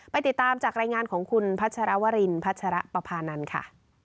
ติดตามจากรายงานของคุณพัชรวรินพัชรปภานันทร์ค่ะ